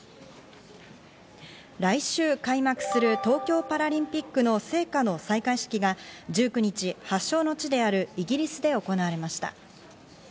来週開幕する東京パラリンピックの聖火の採火式が１９日、発祥の地であるイギリスで行われました。